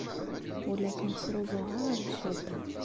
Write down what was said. Ur la kem-ttruẓuɣ ara deg ccada.